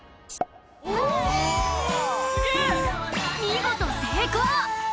見事成功！